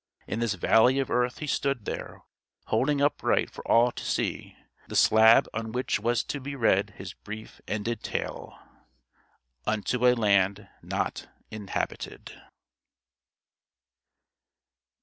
In this valley of earth he stood there holding upright for all to see the slab on which was to be read his brief ended tale: "=Unto a Land Not Inhabited.